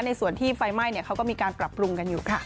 ในส่วนที่ไฟไหม้เขาก็มีการปรับปรุงกันอยู่ค่ะ